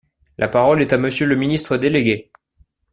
La parole est à Monsieur le ministre délégué.